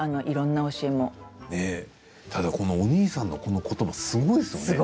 お兄さんのこのことばすごいですね。